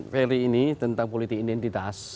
ferry ini tentang politik identitas